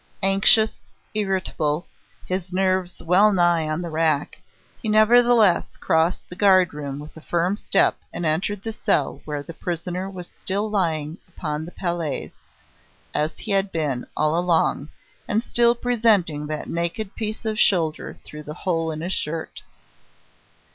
Anxious, irritable, his nerves well nigh on the rack, he nevertheless crossed the guard room with a firm step and entered the cell where the prisoner was still lying upon the palliasse, as he had been all along, and still presenting that naked piece of shoulder through the hole in his shirt.